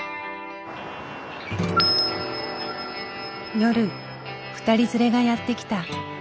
夜２人連れがやって来た。